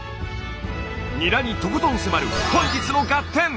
ニラにとことん迫る本日の「ガッテン！」。